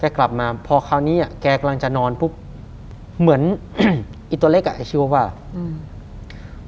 แกกลับมาพอคราวนี้อะแกกำลังจะนอนปุ๊บเหมือนอีตัวเล็กอะชิคกี้พายว่าอืม